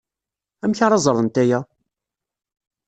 Amek ara ẓrent aya?